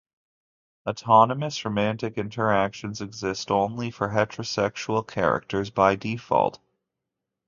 Autonomous romantic interactions exist only for heterosexual characters by default.